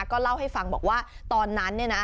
ก็เล่าให้ฟังบอกว่าตอนนั้นเนี่ยนะ